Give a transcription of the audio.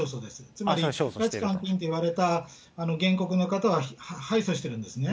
つまり拉致監禁と言われた原告の方は敗訴してるんですね。